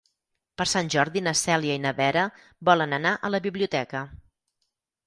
Per Sant Jordi na Cèlia i na Vera volen anar a la biblioteca.